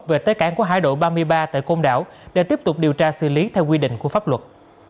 về tới cảng của hải đội ba mươi ba tại côn đảo để tiếp tục điều tra xử lý theo quy định của pháp luật